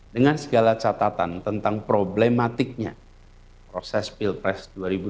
dengan segala catatan tentang problematiknya proses pilpres dua ribu dua puluh